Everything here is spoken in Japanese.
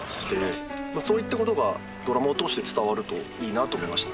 そういったことがドラマを通して伝わるといいなと思いました。